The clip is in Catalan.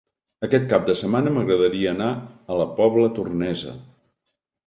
Aquest cap de setmana m'agradaria anar a la Pobla Tornesa.